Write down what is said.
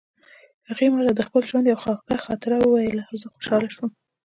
هغې ما ته د خپل ژوند یوه خوږه خاطره وویله او زه خوشحاله شوم